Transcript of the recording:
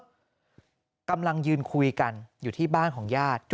กำลังยืนคุยกันอยู่ที่บ้านของญาติ